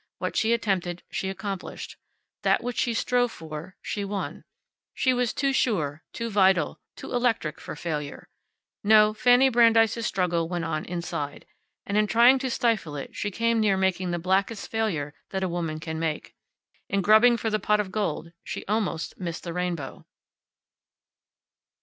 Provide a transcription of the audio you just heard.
What she attempted, she accomplished. That which she strove for, she won. She was too sure, too vital, too electric, for failure. No, Fanny Brandeis' struggle went on inside. And in trying to stifle it she came near making the blackest failure that a woman can make. In grubbing for the pot of gold she almost missed the rainbow.